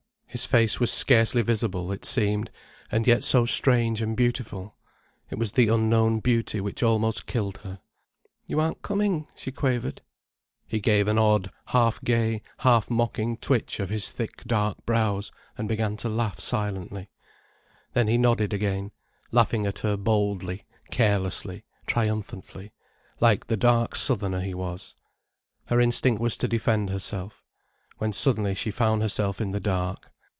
His face was scarcely visible, it seemed, and yet so strange and beautiful. It was the unknown beauty which almost killed her. "You aren't coming?" she quavered. He gave an odd, half gay, half mocking twitch of his thick dark brows, and began to laugh silently. Then he nodded again, laughing at her boldly, carelessly, triumphantly, like the dark Southerner he was. Her instinct was to defend herself. When suddenly she found herself in the dark.